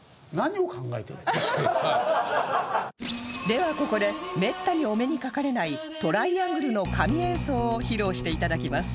ではここでめったにお目にかかれないトライアングルの神演奏を披露して頂きます